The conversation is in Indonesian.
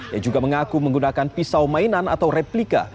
ia juga mengaku menggunakan pisau mainan atau replika